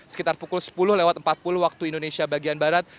sekitar pukul sepuluh lewat empat puluh waktu indonesia bagian barat